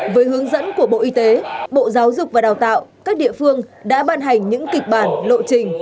với hướng dẫn của bộ y tế bộ giáo dục và đào tạo các địa phương đã ban hành những kịch bản lộ trình